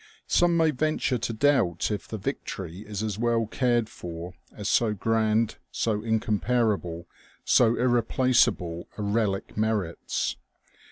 Some may venture to doubt if the Victory is as well cared for as so grand, so incomparable, so irreplaceable a relic merits.